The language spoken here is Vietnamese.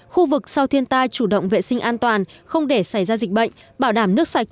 khu vực sau thiên tai chủ động vệ sinh an toàn không để xảy ra dịch bệnh bảo đảm nước sạch